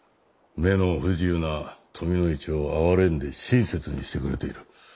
目の不自由な富の市を哀れんで親切にしてくれている。